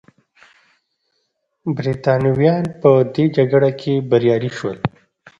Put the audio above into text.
برېټانویان په دې جګړه کې بریالي شول.